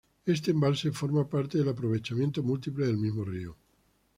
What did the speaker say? Este embalse hace parte del aprovechamiento múltiple del mismo río.